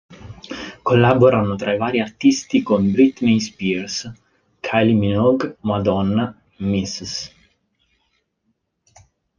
Collaborano tra i vari artisti con Britney Spears, Kylie Minogue, Madonna, Ms.